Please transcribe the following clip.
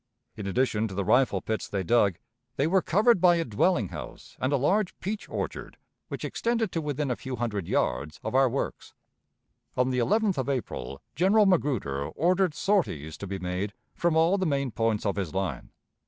In addition to the rifle pits they dug, they were covered by a dwelling house and a large peach orchard which extended to within a few hundred yards of our works. On the 11th of April General Magruder ordered sorties to be made from all the main points of his line.